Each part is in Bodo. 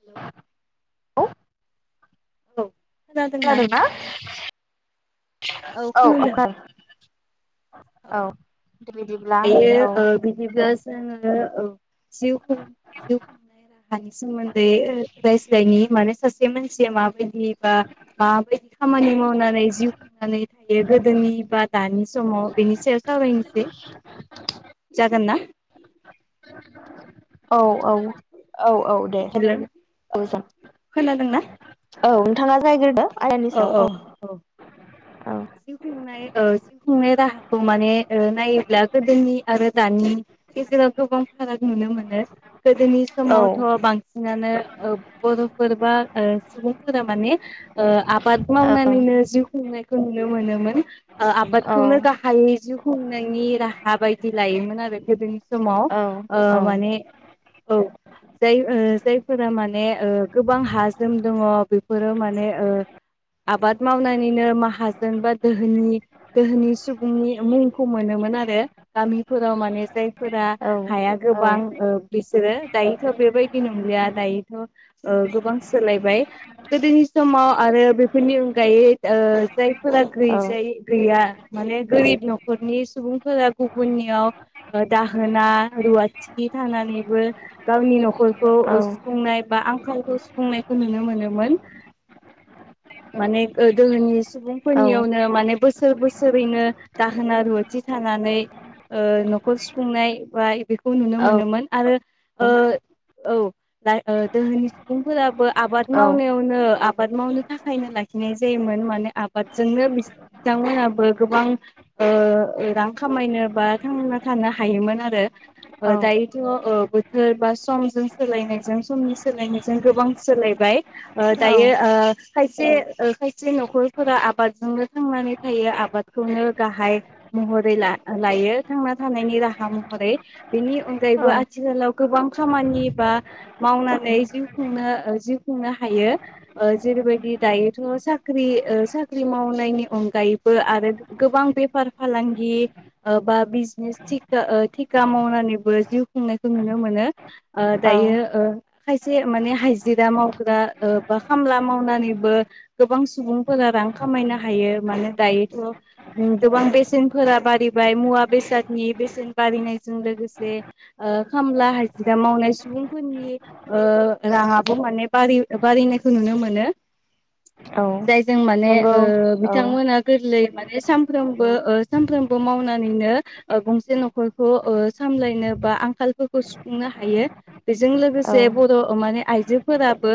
हेल' औ। औ। खोनादोंना [unintelligible] औ औखार औ। दायो औ ओ बिदिब्ला जोंङो ओ औ। जिउ खुं नाय [unintelligible] राहानि सोमोन्दै ओ रायज्लायनि मानो सासे बे मानसिया माबाय दि बा माबायदि खामानि मावनानै जिउ खुंनानै थायो गोदोनि बा दानि समाव बेनि सायाव सावरायनोसै। जागोन ना? औ। औ औ औ दे‌ हेल' सावरायगोन जागोन खोनादोंना औ। नोंथांङा जागायग्रोदो आयदानि औ सायाव औ औ। औ जिउ खुंनाय ओ जिउ खुंनाय राहाखौ माने ओ नायोब्ला गोदोनि आरो दानि गेजेराव गोबां फाराग नुनो मोनो गोदोनि औ समावथ' बांसिनानो ओ बर' फोर बा ओ सुबुंफोरा माने ओ आबाद औ मावनानैनो जिउ खुंनाय नुनो मोनोमोन। औ आबादखौनो गाहायै जिउ खुंनायनि राहा बायदि लायोमोन आरो गोदोंनि सममाव औ ओ औ माने औ जाय जायफोरा माने ओ गोबां हाजोम दङ बेफोरो माने ओ आबाद मावनानैनो माहाजोन बा दोहोनि दोहोनि सुबुंनि मुंखौ मोनोमोन आरो गामिफोराव माने जाय फोरा औ हाया औ गोबां ओ बिसोरो आरो बेफोरनि अनगायै ओ जायफोरा गैजायै गैया माने गोरिब न'खरनि सुबुंफोरा गुबुननियाव दाहोना रुवाथि थानानैबो गावनि न'खर औ खौ सुफुंनाय बा आं गावखौ सुफुंनायखौ नुनो मोनोमोन मान दनि सुबुंफोरनियावनो माने बोसोर बोसोरैनो दाहोना रुवाथि थानानै न'खर सुफुंनाय बाय बेखौ नुनो मोनोमोन आरो औ दोहोनि सुबुंफोराबो आबाद औ माव नेनो आबाद मावनो थाखायनो लाखिनाय जायोमोन माने आबादजोंनो बिथांमोनाबो गोबां रां खामायनो बा थांना थानो हायोमोन आरो दायोथ' बोथोर बा समजों सोलायनायजों समनि सोलायनायजों गोबां सोलायबाय दायो खायसे खायसे न'खरफोरा आबादजोंनो थांनानै थायो आबादखौनो गाहाय महरै लायो थांना थानायनि राहा महरै बेनि अनगायैबो आथिखालाव गोबां खामानि बा मावनानै जिउ खुंनो जिउ खुंनो हायो जेरैबायदि दायोथ' साख्रि साख्रि मावनायनि अनगायैबो आरो गोबां बेफार फालांगि बा बिजनेस थेा थिखाा मावनानैबो जिउ खुंनायखौ नुनो मोनो आ औ दायो खायसे माने हाइजिरा मावग्रा बा खामला मावनानैबो गोबां सुबुंफोरा रां खामायनो हायो माने दायोथ' गोबां बेसेनफोरा बारिबाय मुवा बेसादनि बेसेन बारिनायजों लोगोसे खामला हाजिरा मावनाय सुबुंफोरनि राङाबो माने बारनाय नुनो मोनो जायजों माने नंगौ औ बिथांमोना गोरलै माने सानफ्रोमबो सानफ्रोमबो मावनानैनो गंसे न'खरखौ सामलायनो बा आंखालफोरखौ सुफुंनो हायो बेजों लोगोसे बर' माने आइजोफोराबो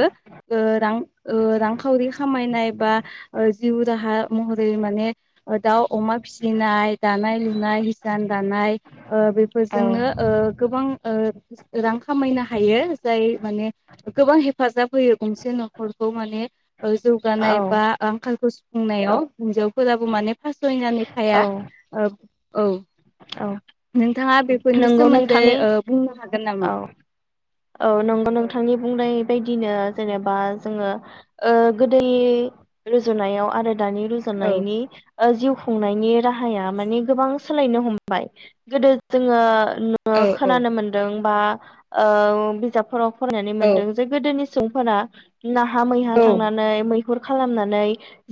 रां रांखावरि खामायनाय बा जिउ राहा महरै माने दाउ अमा फिसिनाय दानाय लुनाय हिसान दानाय औ बेफोरजोंनो गोबां रां खामायनो हायो जाय माने गोबां हेफाजाब होयो गंसे न'खरखौ माने जौगानाय बा आंखालखौ बुंनायाव हिनजावफोराबो माने फासयनानै औ थाया औ नै नोंथाङा बेफोरनि नंगौ सोमोन्दै नोंथांनि बुंनो हागोन नामा औ औ नंगौ औ नोंथांनि बुंनाय बायदिनो ज जेनेबा ज गोद रुजुनायाव आरो दानि औ रुजनायनि जिउ खुंनायनि राहाया माने गोबां सोलायनो हमबाय गोदो जोङो औ खोनानो मोनदों बा आ बिजा फर फरायनानै औ मोनदों जे गोदोनि सुबुंफोरा नाहा मैहा औ थांनानै मैहुर खालामनानै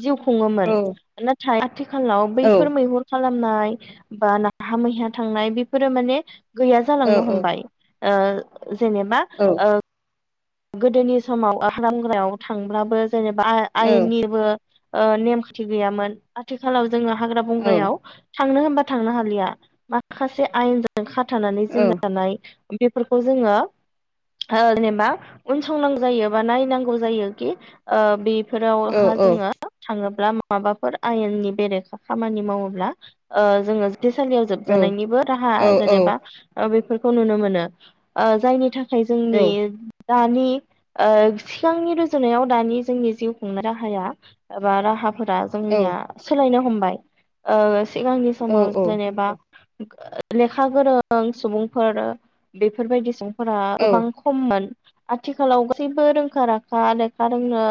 जिउ खुङोमोन औ नाथाय आथिखालाव बैफोर मैहुर खालाम नाय बा नाहा मैया थांनाय बेफोरो माने गैया औ जालांनो हमबाय ओ जेनेबा औ ओ गोदोनि समाव [unintelligible] ग्रायाव थांब्लाबो जेनेबा आयेननिबो ओ नेमखान्थि गैयामोन आथिखालाव जोङो हाग्रा औ बंग्रायाव थांनो होनबा थांनो हालिया माखासे आयेन जों खाथानानै [unintelligible] जानाय बेफोरखौ जोङो ओ जेनेबा उनसंनांगौ जायो बा नायनांगौ जायो कि ओ बे फोरावहा जोङो थाङोब्ला माबाफोर आयेननि बेरेखा खामानि मावोब्ला ओ जोङो जो बथेसालियाव जोबजानायनिबो राहा औ जेनेबा बेफोर खौ नुनो मोनो जायनि थाखा य जोंनि दानि सिगांनि रुजुनायाव दानि जोंनि जिउ खुंनाय राहाया एबा राहा फोरा जोंनिया सोलायनो हम बाय ओ सिगांनि समाव जेनेबा लेखा गोरों सुबुंफोर बेफोरबायदि सुबुं फोरा गोबां खममोन आथिखालाव गासैबो रोंखा राखा लेखा रोंनो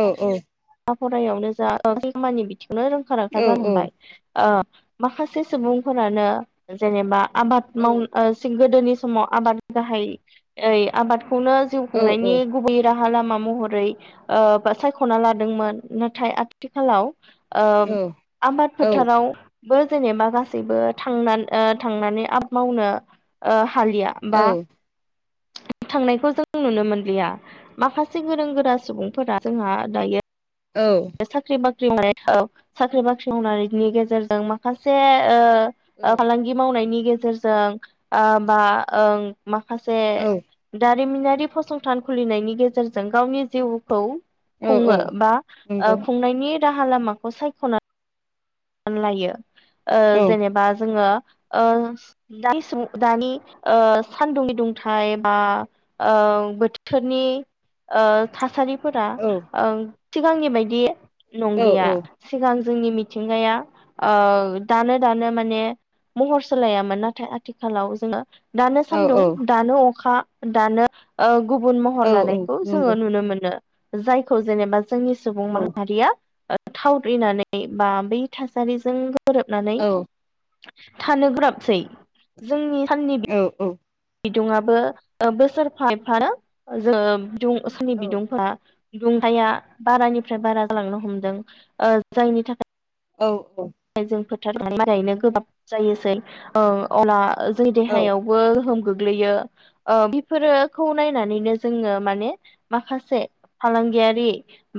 औ औ खा फरायायावनो जा [unintelligible] नो रोंखा नंगौ रोंखा जाहांबाय औ माखासे सुबुंफोरानो जेनेबा आबाद माव औ [unintelligible] गोदोनि समाव आबाद गाहाय ओइ आबाद खौनो जिउ खुंनायनि गुबै रा लामा महरै ओ बा सायखना ला दोंमोन नाथाय आथिखालाव ओ औ आबाद औ फोथाराव बो जेनेबा गासैबो थां ओ थांनानै आबाद मावनो हालिया बा थांनायखौ जों नुनो मोनलिया माखासे गोरों गोरा सुबुंफोरा जोंहा दायो औ साख्रि बा ख्रि औ साख्रि बाख्रि मावनायनि गेजेरजों माखासे ओ फालांगि मावनायनि गेजेरजों ओ बा ओं माखासे औ दा जारिमिनारि फसंथान खुलिनायनि गेजेरजों गावनि जिउखौ औ खुङो औ बा ओ नंगौ खुंनायनि राहा लामाखौ सायख'नानै रानलायो ओ औ जेनेबा जोङो ओ दा दानि सान्दुंनि दुंथ बा ओ बोथोरनि ओ थासारि फोरा औ ओं सिगांनि बायदि औ नंलिया सिगां जोंनि मिथि मिथिंगाया ओ दानो दानो माने महर सोलायामोन नाथाय आथिखालाव जोङो दानो औ सान्दुं औ दानो अखा दानो ओ गुबुन औ महर औ लानायखौ नंगौ जोङो नुनो मोनो जायखौ जेनेबा जो जोंनि सुबुं औ माहारिया ओ थावग्रिनानै बा बै थासारिजों गोरोबनानै औ थानो गोराबसै जोंनि औ औ। बिदुुंआबो ओ बोसोर फा एफा नो जो बिदुं असनि औ बिदुंफ्रा दुंथाया बारानिफ्राय बारा जालांनो हमदों ओ जायनि थाखाय औ औ। थारै मारैनो गोब्राब जायोसै अब्ला जोंनि देहायावबो गोहोम गोग्लैयो ओ बेफोरोखौ नायनानैनो जोङो माने माखासे फालांगियारि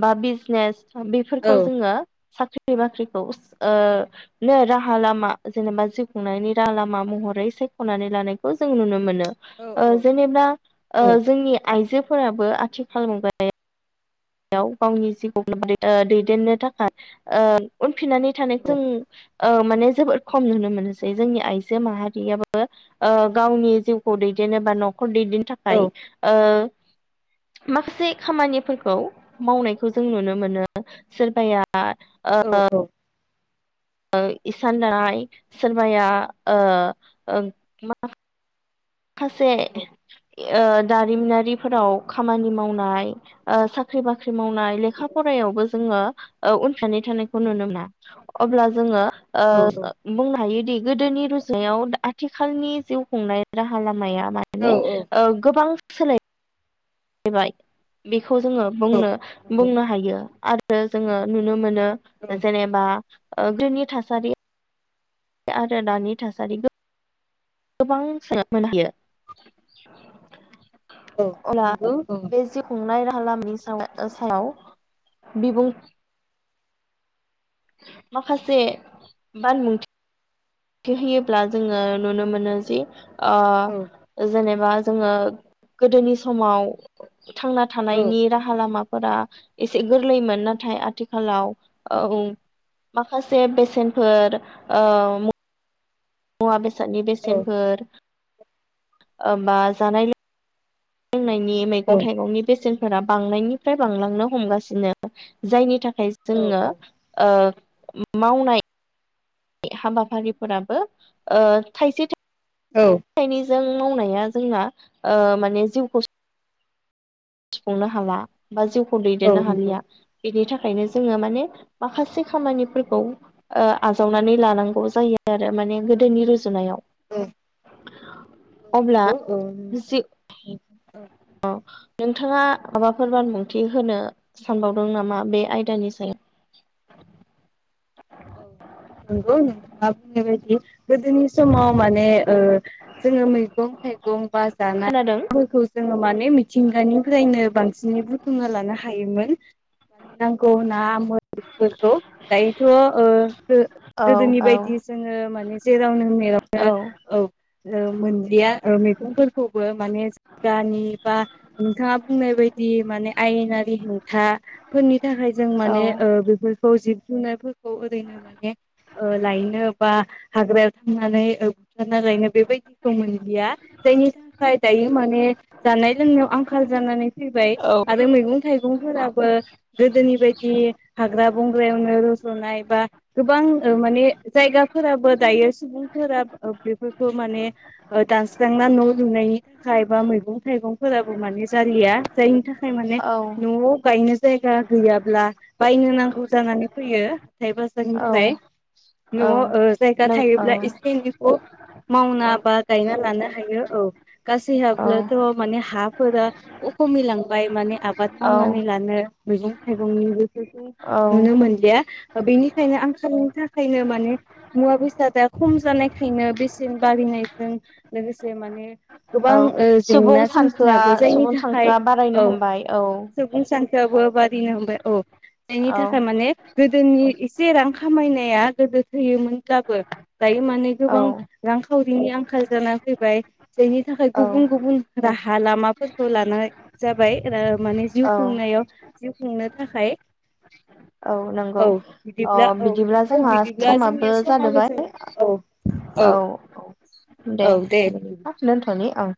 बा बिजनेस औ बेफोरखौ जोङो सा ख्रि बाख्रिखौ ओ नो राहा लामा जेनेबा जिउ खुंनायनि राहा लामा महरै सायख'नानै लानायखौ जों नुनो मो मोनो। ओ औ जेनेबा ओ नंगौ औ जोंनि आइजो फोराबो आथिखाल मुगाया याव गावनि जिउखौ दैदेननो थाखाय ओ उनफिननानै थानाय नंगौ जों ओ माने जोबोद खम नुनो मोनोसै जोंनि आइजो माहारियाबो ओ गावनि जिउखौ दैदेनो बा न' खर दैदनो औ थाखाय ओ माखासे खामानिफोरखौ मावनायखौ जों नुनो मोनो सोरबाया दा औ ओ इसान दानाय सोरबाया ओ मा खासे ओ दारिमिनारिफोराव खामानि मावनाय ओ साख्रि बा ख्रि मावनाय लेखा फरायायावबो जोङो ओ उनफिननानै थानायखौ नुनो मोना अब्ला जोङो ओ बुंनो हायोदि गोदोनि रुजुनायाव आथिखालनि जिउ खुंनाय राहा ला माया औ माने औ नंगौ ओ गोबां सोलाय बाय बि खौ जोङो औ बुंनो औ बुंनो हायो आरो जोङो नुनो मोनो जेनेबा गोदोनि थासारि आरो दानि थासारि गोबां सो [unintelligible] मोननो हायो। अब्ला नंगौ बे जिव खुंनाय रा हालामनि साव सायाव बिबुं माखासे बानबुं थि होयोब्ला जोङो नुनो मोनो जि ओ औ जेने बा जोङो गोदोनि समाव थांना थानायनि राहा लामा फोरा एसे गोरलैमोन नाथाय आथिखालाव औ माखासे बेसेनफोर ओ मुवा बे सादनि बेसेनफोर ओ बा जानाय लों लोंनाय नि मैगं थाइगंनि बेसेन फोरा बांनायनिफ्राय बांलांनो हमगासिनो जायनि था खाय जोङो ओ मावनाय हाबाफारिफोराबो ओ थाइसे था औ। जों मावनाया जोंना ओ माने जिउखौ सुफुंनो हाला। बा जिउखौ दैदेननो हालिया बेनि था खायनो जोङो माने माखासे खामानिफोरखौ ओ आजावनानै लानांगौ जायो आरो माने गोदोनि रुजुनायाव। अब्ला जि औ औ नोंथाङा माबाफोर बानबुंथि होनो सानबावदों नामा बे आयदानि सायाव? औ नंगौ नोंथाङा बुंनाय बायदि गोदोनि समाव माने जोङो मैगं थाइगं [inaudible] बा खोनादों जानायफोरखौ जोङो माने मिथिंगानिफ्रायनो बांसिनै बुथुमना लानो हायोमोन। मानि नांगौ ना [unintelligible] थ' ओ औ गो-गोदोनि बायदि जोङो माने जेरावनो मेरावनो औ ओ मोनलिया ओ मैगंफोरखौबो माने जायगानि बा नोंथाङा बुंनाय बायदि माने आयेनारि हेंथाफोरनि थाखाय जों औ माने ओ बेफोरखौ जि [unintelligible] खौ ओरैनो माने ओ लायनो बा हाग्रायाव थांनानै ओ [unintelligible] बेबायदिखौ मोनलिया जायनि थाखाय दायो माने जानाय लोंनायाव आंखाल जानानै फैबाय औ आरो मैगं थाइगंफोराबो गोदोनि बायदि हाग्रा बंग्रायावनो नाय बा गोबां ओ माने जायगाफोराबो दायो सुबुंफोरा ओ बेफोरखौ माने ओ दानस्रांना न' लुनायनि थाखाय बा मैगं थाइगंफोराबो माने जालिया जायनि थाख खाय माने औ न'आव गायनोस जायगा गैयाब्ला बायनो नांगौ जानानै फैयो। हाथाइ औ बाजारनिफ्राय औ न'आव ओ जायगा नों औ थायोब्ला एसे एनैखौ मावना बा गायना लानो हायो औ गासि औ हाबब्लाथ' माने हाफ फोरा उ खमिलांबाय माने आबाद औ मावनानै लानो मैगं थाइगंनिबो फोरखौ औ नुनो मोनदिया ओ बेनिखायनो आंखालनि थाखायनो माने मुवा बेसादा खम जानायखायनो बेसेन बारिनायजों लोगोसे माने औ गोबां ओ सुबुं जेंना सोमजिनो सानखोआ हागौ जायनि सुबुं थाखाय सानखोआ बारायनो औ हमबाय औ सुबुं सानखोआबो बारिनो हमबाय। औ नायनि थाखाय माने गोद जोंनि एसे रां खामायनाया गोदो थैयोमोनब्लाबो दायो माने औ गोबां रां खाउरि बिनि आंखाल जाना फैबाय। जायनि थाखाय औ गुबुन गुबुन राहा लामाफोरखौ लानाय जाबाय। फोरोब माने जिउ औ खुंनायाव जिउ खुंनो थाखाय औ नंगौ औ अ बिदिब्ला औ बिदिब्ला औ जोंहा बिदिब्ला समाबो जोंनिया समाबो जादोबाय जोब औ औ औ दे औ बिदि बिदिबा दोनथ'नि औ